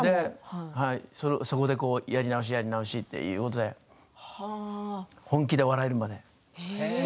そこでやり直しやり直しということで本気で笑えるまで。